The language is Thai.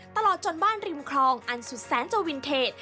ตลอดจนบ้านริมคลองอันสุดแสนจะวินเทจ